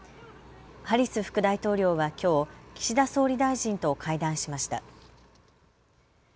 ハリス副大統領はきょう岸田総理大臣と会談しました。